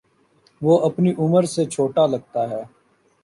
وہ اپنی عمر سے چھوٹا لگتا ہے